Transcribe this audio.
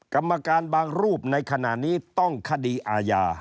กรรมการบางรูปในขณะนี้ต้องคดีอาญา